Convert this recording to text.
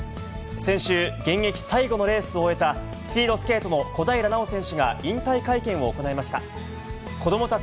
先週、現役最後のレースを終えた、スピードスケートの小平奈緒選手が引退会見を行いました。